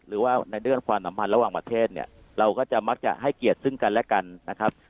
หรือว่าในเรื่องความสัมพันธ์ระหว่างประเทศเนี่ยเราก็จะมักจะให้เกียรติซึ่งกันและกันนะครับ